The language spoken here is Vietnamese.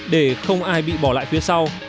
để không ai bị bỏ lại phía sau